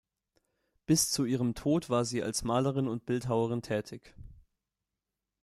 Bis zu ihrem Tod war sie als Malerin und Bildhauerin tätig.